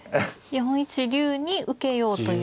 ４一竜に受けようということですか。